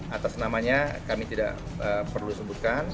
atas namanya kami tidak perlu sebutkan